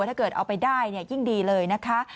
ถ้าเกิดเอาไปได้ยิ่งดีเลยนะคะ